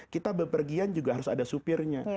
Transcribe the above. kita bepergian juga harus ada supirnya